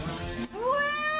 うわ！